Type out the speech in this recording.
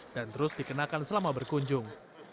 terus dikenakan selama berkunjung